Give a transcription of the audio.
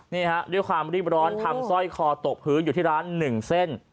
นี่ฮะด้วยความรีบร้อนทำสร้อยคอตกพื้นอยู่ที่ร้าน๑เส้น